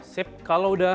sip kalau udah